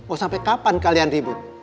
oh sampai kapan kalian ribut